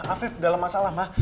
afif dalam masalah ma